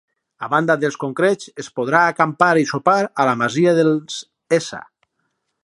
A banda dels concrets es podrà acampar i sopar a la masia dels s.